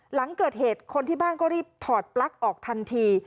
หลังเกิดเหตุคนที่บ้านก็รีบถอดปลั๊กออกทันที